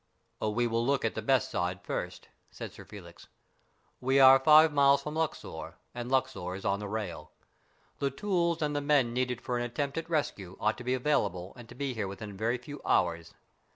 "We will look at the best side first," said Sir Felix. " We are five miles from Luxor, and Luxor is on the rail. The tools and the men needed for an attempt at rescue ought to be available and to be here within a very few hours.